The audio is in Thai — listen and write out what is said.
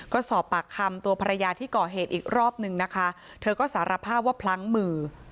ก็สอบปากคำตัวภรรยาที่ก่อเหตุอีกรอบนึงนะคะเธอก็สารภาพว่าพลั้งมือ